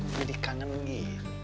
jadi kangen lagi